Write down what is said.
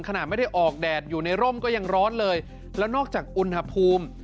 ขณะไม่ได้ออกแดดอยู่ในร่มก็ยังร้อนเลยแล้วนอกจากอุณหภูมิ